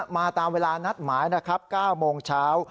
มาตามเวลานัดหมายนะครับ๙โมงเช้า